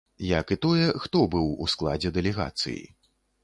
Як і тое, хто быў у складзе дэлегацыі.